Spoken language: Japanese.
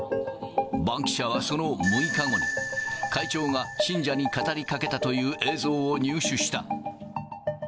バンキシャは、その６日後に、会長が信者に語りかけたという映像を入手した。